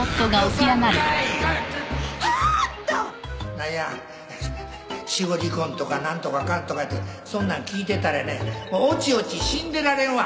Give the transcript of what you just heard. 何や死後離婚とか何とかかんとかってそんなん聞いてたらやねおちおち死んでられんわ。